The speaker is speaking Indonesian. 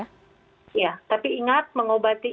iya tapi ingat mengobati